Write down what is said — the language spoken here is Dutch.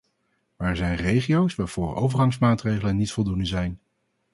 Maar er zijn regio's waarvoor overgangsmaatregelen niet voldoende zijn.